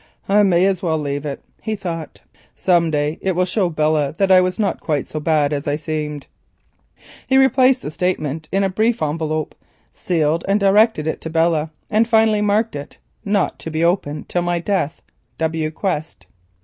"I may as well leave it," he thought; "some day it will show Belle that I was not quite so bad as I seemed." He replaced the statement in a brief envelope, sealed and directed it to Belle, and finally marked it, "Not to be opened till my death.—W. Quest."